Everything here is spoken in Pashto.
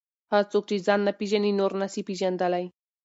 هغه څوک چې ځان نه پېژني نور نسي پېژندلی.